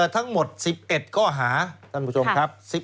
ทั้งหมด๑๑ข้อหาท่านผู้ชมครับ